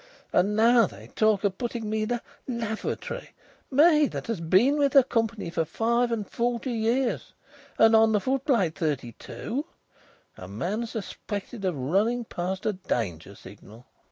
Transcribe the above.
And now they talk of putting me in a lavatory me that has been with the company for five and forty years and on the foot plate thirty two a man suspected of running past a danger signal."